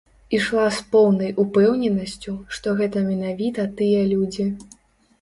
Ішла з поўнай упэўненасцю, што гэта менавіта тыя людзі.